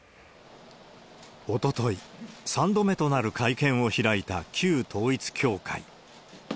おととい、３度目となる会見を開いた旧統一教会。